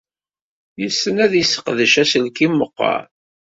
Yessen ad yesseqdec aselkim meqqar?